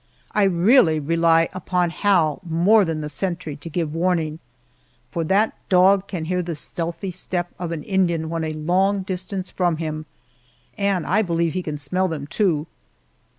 I really rely upon Hal more than the sentry to give warning, for that dog can hear the stealthy step of an Indian when a long distance from him. And I believe he can smell them, too.